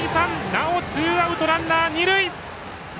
なおツーアウト、ランナー、二塁。